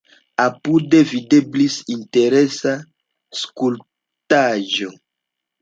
Apude videblis interesa skulptaĵo.